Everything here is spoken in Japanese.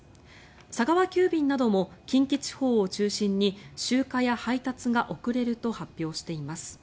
佐川急便なども近畿地方を中心に集荷や配達が遅れると発表しています。